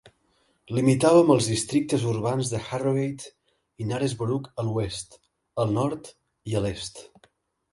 Limitava amb els districtes urbans de Harrogate i Knaresborough a l'oest, al nord i a l'est.